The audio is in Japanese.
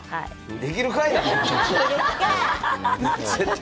できるかいな！